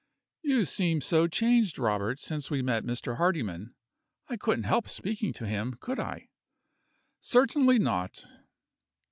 "You seem so changed, Robert, since we met Mr. Hardyman. I couldn't help speaking to him could I?" "Certainly not."